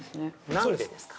◆何でですか？